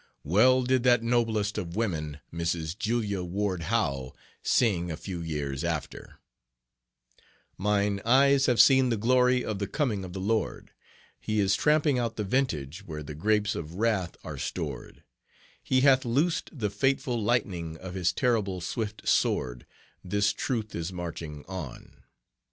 Well did that noblest of women, Mrs. Julia Ward Howe, sing a few years after: "Mine eyes have seen the glory of the coming of the Lord; He is tramping out the vintage where the grapes of wrath are stored; He hath loosed the fateful lightning of his terrible swift sword; This truth is marching on.